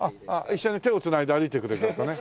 一緒に手を繋いで歩いてくれる方ね。